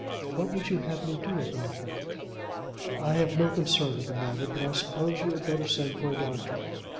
"What would you have me do about her?" "I have no concern in the matter, but I suppose you had better send for a doctor.